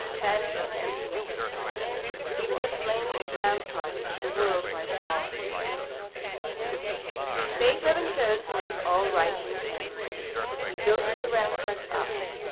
Panic and emptiness! Even the flaming ramparts of the world might fall. Beethoven chose to make all right in the end. He built the ramparts up.